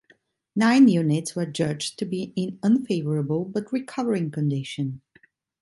Nine units were judged to be in unfavourable but recovering condition.